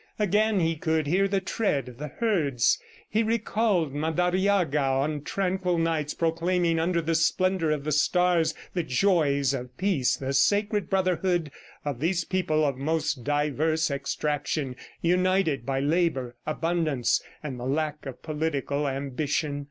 Again he could hear the tread of the herds. He recalled Madariaga on tranquil nights proclaiming, under the splendor of the stars, the joys of peace, the sacred brotherhood of these people of most diverse extraction, united by labor, abundance and the lack of political ambition.